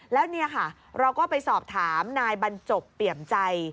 แล้วเราก็ไปสอบถามนายบรรจบเปลี่ยมใจ